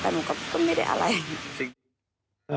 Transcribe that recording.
แต่มันก็ไม่ได้อะไร